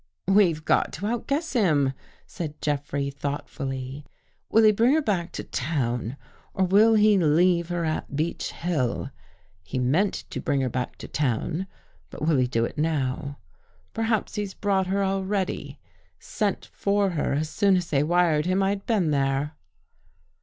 " We've got to outguess him," said Jeffrey thoughtfully. " Will he bring her back to town, or will he leave her at Beech Hill? He meant to bring her back to town, but will he do It now? Perhaps he's brought her already — sent for her as soon as they wired him I had been there."